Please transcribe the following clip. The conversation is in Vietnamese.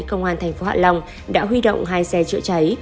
công an tp hạ long đã huy động hai xe chữa cháy